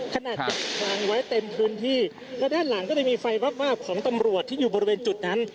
จัดวางไว้เต็มพื้นที่และด้านหลังก็จะมีไฟวาบวาบของตำรวจที่อยู่บริเวณจุดนั้น